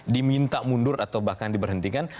diminta mundur atau bahkan diberhentikan